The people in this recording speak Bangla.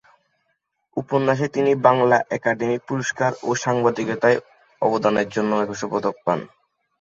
উপন্যাসে তিনি বাংলা একাডেমি পুরস্কার ও সাংবাদিকতায় অবদানের জন্য একুশে পদক পান।